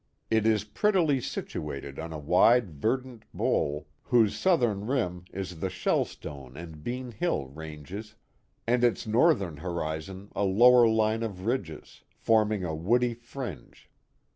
It is prettily situated in a wide, verdant bowl wnose southern rim is the Shellstone and Bean Hill ranges, and its northern horizon a lower line o( ridges, forming a woody fringe.